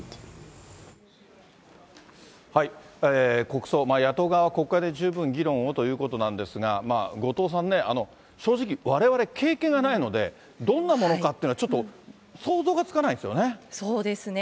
国葬、野党側は国会で十分議論をということなんですが、後藤さんね、正直、われわれ、経験がないので、どんなものかって、ちょっと想像がつかないんですよね。